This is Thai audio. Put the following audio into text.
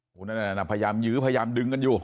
พยายามยื้อพยายามดึงกันอยู่